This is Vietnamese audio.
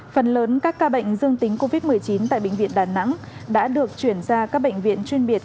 phần lớn các ca bệnh dương tính covid một mươi chín tại bệnh viện đà nẵng đã được chuyển ra các bệnh viện chuyên biệt